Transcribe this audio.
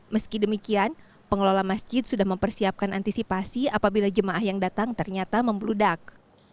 meski demikian pengelola masjid sudah mempersiapkan antisipasi apabila jemaah yang datang ternyata membludak